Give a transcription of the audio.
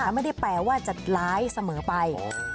ไม่ได้แปลว่าจะร้ายเสมอไป